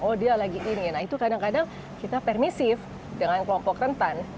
oh dia lagi ini nah itu kadang kadang kita permisif dengan kelompok rentan